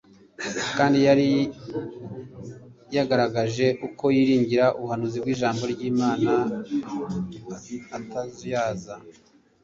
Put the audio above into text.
kandi yari yagaragaje uko yiringira ubuhanuzi bwijambo ryImana atazuyaza